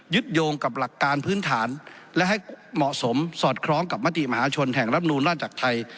โยงกับหลักการพื้นฐานและให้เหมาะสมสอดคล้องกับมติมหาชนแห่งรัฐนูลราชจักรไทย